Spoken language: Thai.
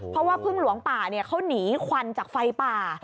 เพราะว่าพึ่งหลวงป่าเขาหนีควันจากไฟป่า